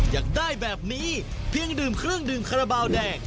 อยากได้แบบนี้เพียงดื่มเครื่องดื่มคาราบาลแดง